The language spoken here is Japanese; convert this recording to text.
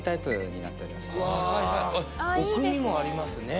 奥にもありますね。